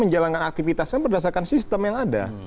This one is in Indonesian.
menjalankan aktivitasnya berdasarkan sistem yang ada